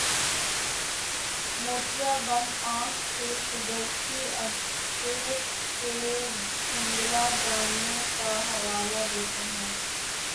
موتیابند آنکھ کے قدرتی عدسہ کے دھندلا جانے کا حوالہ دیتے ہیں